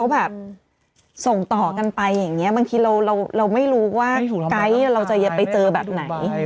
บางทีเราไม่รู้ว่าใกล้เราจะไปเจอแบบไหน